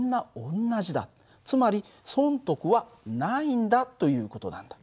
つまり損得はないんだという事なんだ。